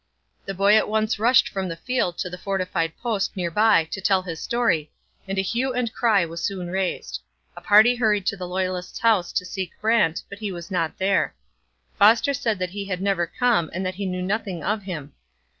The boy at once rushed from the field to the fortified post near by to tell his story, and a hue and cry was soon raised. A party hurried to the loyalist's house to seek Brant, but he was not there. Foster said that he had never come and that he knew nothing of him.